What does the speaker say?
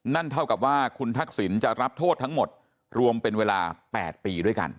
นั่นเท่ากับว่าคุณทักษิณจะรับโทษทั้งหมดรวมเป็นเวลา๘ปีด้วยกัน